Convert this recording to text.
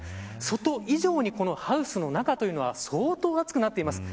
想像以上にハウスの中というのは相当、暑くなっています。